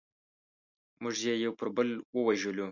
موږ یې یو پر بل ووژلو.